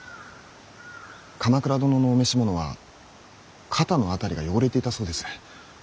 鎌倉殿のお召し物は肩の辺りが汚れていたそうです。